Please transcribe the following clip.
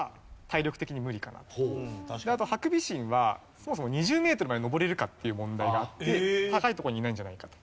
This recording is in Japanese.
あとハクビシンはそもそも２０メートルまで登れるかっていう問題があって高いとこにいないんじゃないかと。